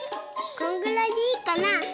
こんぐらいでいいかな。